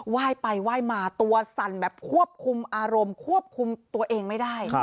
ยไปไหว้มาตัวสั่นแบบควบคุมอารมณ์ควบคุมตัวเองไม่ได้